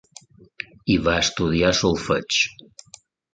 I va estudiar solfeig.